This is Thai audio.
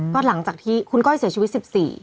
ก็หลังจากที่คุณก้อยเสียชีวิต๑๔